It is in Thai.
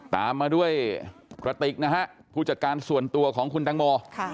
ตามมาด้วยกระติกนะฮะผู้จัดการส่วนตัวของคุณตังโม